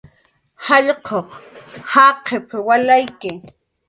"Jallq'uq jaqip"" walayki"